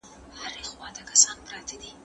جغرافيايي موقعيت زموږ پر ژوند اغېز کوي.